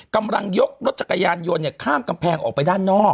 กำลังยกรถจักรยานยนต์ข้ามกำแพงออกไปด้านนอก